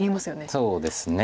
そうですね。